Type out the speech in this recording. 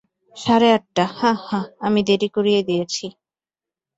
সাড়ে আটটা– হাঁ হাঁ, আমি দেরি করিয়ে দিয়েছি।